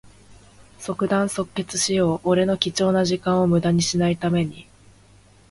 即断即決しよう。俺の貴重な時間をむだにしない為に。